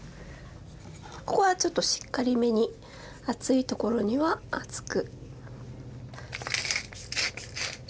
ここはちょっとしっかりめに厚いところには厚く。